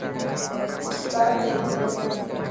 وڪي ڪال ٿيلو ليو هي.